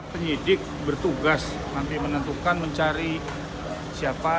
penyidik bertugas nanti menentukan mencari siapa